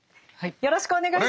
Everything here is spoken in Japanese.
よろしくお願いします。